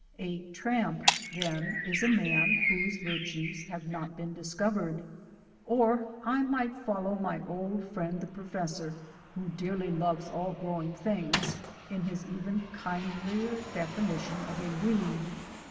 A tramp, then, is a man whose virtues have not been discovered. Or, I might follow my old friend the Professor (who dearly loves all growing things) in his even kindlier definition of a weed.